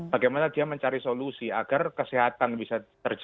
bagaimana dia mencari solusi agar kesehatan bisa terjadi